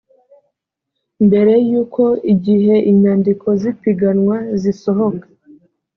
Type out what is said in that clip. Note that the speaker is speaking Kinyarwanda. mbere y’uko igihe inyandiko z’ipiganwa zisohoka